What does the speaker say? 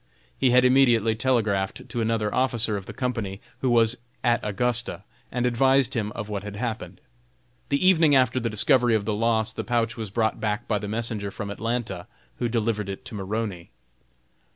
He had immediately telegraphed to another officer of the company, who was at Augusta, and advised him of what had happened. The evening after the discovery of the loss the pouch was brought back by the messenger from Atlanta, who delivered it to Maroney.